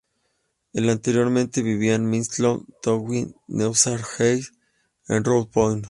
Él anteriormente vivió en Middletown Township, New Jersey en Rough Point.